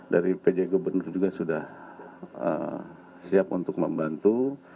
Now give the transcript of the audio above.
dari pj gubernur juga sudah siap untuk membantu